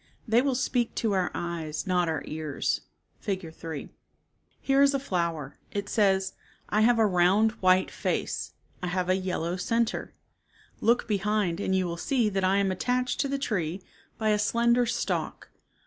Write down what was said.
They will speak to our eyes not our ears (Fig. 3). Here is a flower. It says, " I have a round white face. I have a yellow center. Look behind and you will see that I am attached to the tree by a slender stalk.